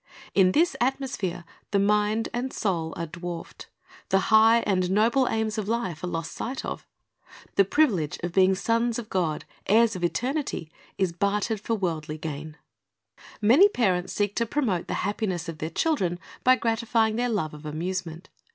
In this atmosphere the mind and soul are dwarfed. The high and noble aims of life are lost sight of The privilege of being sons of God, heirs of eternity, is bartered for worldly gain. ' I Peter 2:11 54 CJirist's Object Lessons Many parents seek to promote the happiness of their children by gratifying their love of amusement.